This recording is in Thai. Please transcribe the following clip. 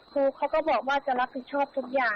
คือเขาก็บอกว่าจะรับผิดชอบทุกอย่าง